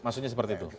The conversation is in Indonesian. maksudnya seperti itu